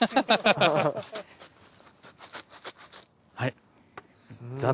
はい。